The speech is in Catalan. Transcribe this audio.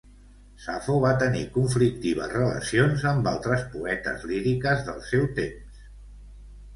Safo va tenir conflictives relacions amb altres poetes líriques del seu temps.